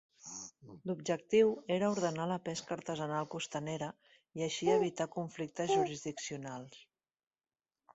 L'objectiu era ordenar la pesca artesanal costanera i així evitar conflictes jurisdiccionals.